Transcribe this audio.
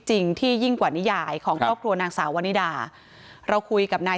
ทั้งครูก็มีค่าแรงรวมกันเดือนละประมาณ๗๐๐๐กว่าบาท